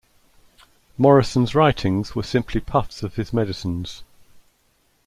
Morison's writings were simply puffs of his medicines.